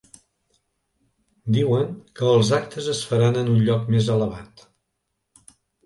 Diuen que els actes es faran en un lloc més elevat.